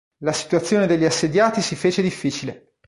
La situazione degli assediati si fece difficile.